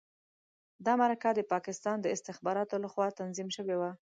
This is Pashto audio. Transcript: دا مرکه د پاکستان د استخباراتو لخوا تنظیم شوې وه.